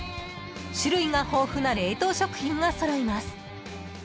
［種類が豊富な冷凍食品が揃います］